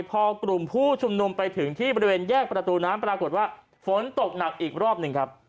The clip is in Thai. พอกลุ่มผู้ชุมนุมไปถึงที่บริเวณแยกประตูน้ำปรากฏว่าฝนตกหนักอีกรอบหนึ่งครับ